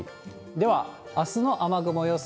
では、あすの雨雲予想。